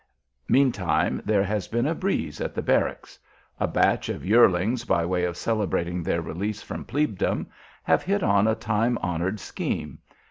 Meantime, there has been a breeze at the barracks. A batch of yearlings, by way of celebrating their release from plebedom, have hit on a time honored scheme.